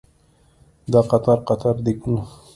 دا قطار قطار دیګونه